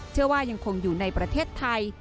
เชื่อว่ายังคงอยู่ในประเทศไทย